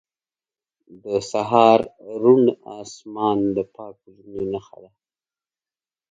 • د سهار روڼ آسمان د پاک زړونو نښه ده.